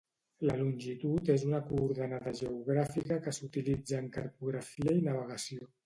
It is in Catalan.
La longitud és una coordenada geogràfica que s'utilitza en cartografia i navegació.